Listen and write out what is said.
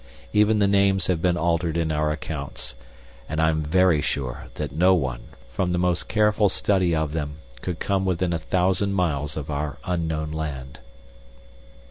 Even the names have been altered in our accounts, and I am very sure that no one, from the most careful study of them, could come within a thousand miles of our unknown land.